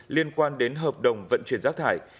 liên quan đến hợp đồng vận chuyển rác thải